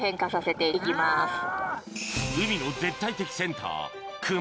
海の絶対的センター